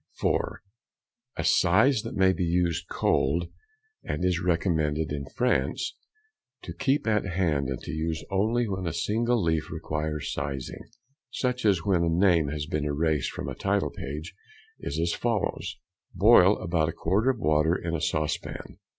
(4). A size that may be used cold, and is recommended in France, to keep at hand and to use when only a single leaf requires sizing, such as when a name has been erased from a title page, is as follows:—Boil about a quart of water in a saucepan.